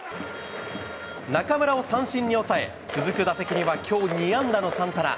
中村を三振に抑え、続く打席にはきょう、２安打のサンタナ。